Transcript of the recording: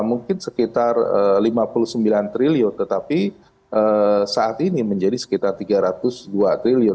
mungkin sekitar rp lima puluh sembilan triliun tetapi saat ini menjadi sekitar rp tiga ratus dua triliun dan ini nomor empat setelah singapura amerika dan jepang